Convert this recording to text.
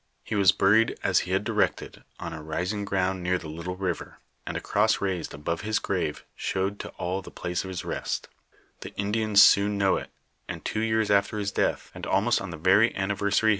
He was buried as he had directed on a rising ground near the little river, and a cross raised above his grave showed to all the place of his rest. The Indians soon knew it, and two years after his death, and almost on the very anniversary to abd Md bej goi coJ soil »/■ LIFE OF FATHER MARQUETTK.